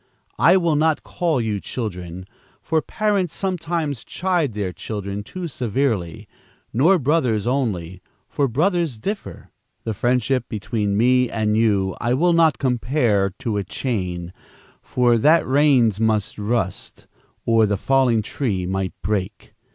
I will not call you children, for parents sometimes chide their children too severely, nor brothers only, for brothers differ. The friendship between me and you, I will not compare to a chain, for that rains might rust, or the falling tree might break.